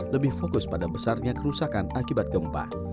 lebih fokus pada besarnya kerusakan akibat gempa